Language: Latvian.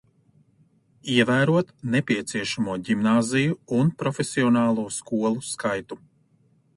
Ievērot nepieciešamo ģimnāziju un profesionālo skolu skaitu.